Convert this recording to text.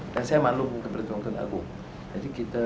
dan saya malu kepada tuan agung